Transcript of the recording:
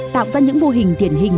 tạo ra những mô hình tiển hình